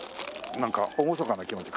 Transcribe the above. なんか厳かな気持ち。